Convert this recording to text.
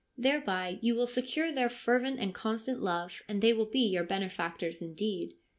Thereby you will secure their fervent and constant love, and they will be your benefactors indeed.